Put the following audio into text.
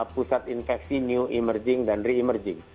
pusat infeksi new emerging dan re emerging